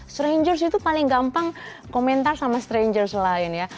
strangers itu paling gampang komentar sama strangers lain ya